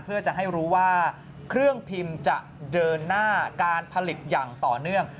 เพื่อจะให้รู้ว่าเครื่องพิมพ์จะเดินหน้าการผลิตอย่างต่อเนื่อง